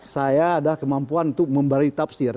saya adalah kemampuan untuk memberi tafsir